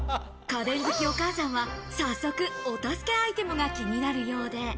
家電好きお母さんは、早速お助けアイテムが気になるようで。